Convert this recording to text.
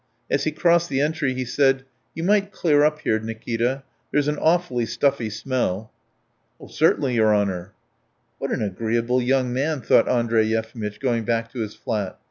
As he crossed the entry he said: "You might clear up here, Nikita ... there's an awfully stuffy smell." "Certainly, your honour." "What an agreeable young man!" thought Andrey Yefimitch, going back to his flat.